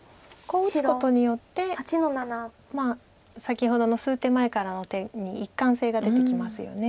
こう打つことによって先ほどの数手前からの手に一貫性が出てきますよね。